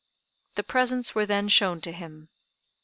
The presents were then shown to him.